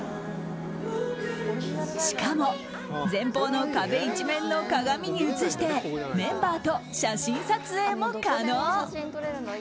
しかも前方の壁一面の鏡に映してメンバーと写真撮影も可能。